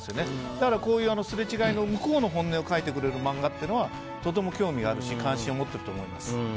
だから、すれ違いの向こうの本音を描いてくれる漫画は、とても興味があるし関心を持ってると思います。